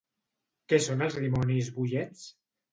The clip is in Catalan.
Què són els dimonis boiets?